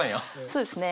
そうですね。